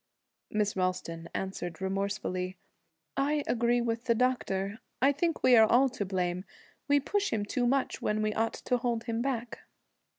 Miss Ralston answered remorsefully. 'I agree with the doctor. I think we are all to blame. We push him too much when we ought to hold him back.'